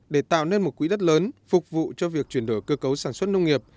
để tạo nên một quỹ đất lớn phục vụ cho việc chuyển đổi cơ cấu sản xuất nông nghiệp